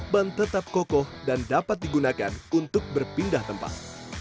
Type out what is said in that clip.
ban tetap kokoh dan dapat digunakan untuk berpindah tempat